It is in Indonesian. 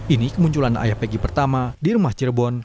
ini kemunculan ayah pegg pertama di rumah cirebon